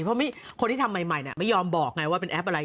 เพราะคนที่ทำใหม่ไม่ยอมบอกไงว่าเป็นแอปอะไร